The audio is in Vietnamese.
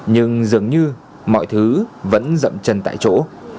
nhưng dường như mọi thứ vẫn rậm chân tại chỗ